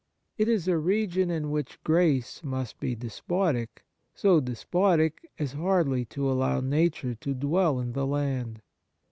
It is a region in which grace must be despotic, so despotic as hardly to allow nature to dwell in the land.